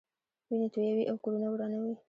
وینې تویوي او کورونه ورانوي.